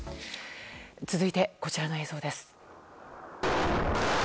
続いて、こちらの映像です。